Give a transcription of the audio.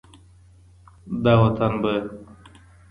دا وطن به